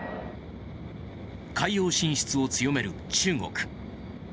海洋進出を強める中国。